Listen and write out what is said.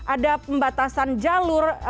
ada pembatasan jalur